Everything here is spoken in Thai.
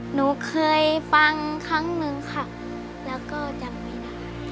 หนูเคยฟังครั้งหนึ่งค่ะแล้วก็จำไม่ได้